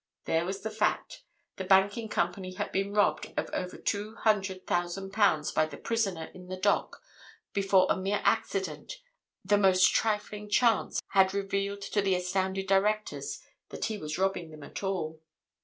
There was the fact—the banking company had been robbed of over two hundred thousand pounds by the prisoner in the dock before a mere accident, the most trifling chance, had revealed to the astounded directors that he was robbing them at all.